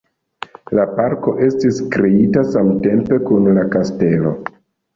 La parko estis kreita samtempe kun la kastelo.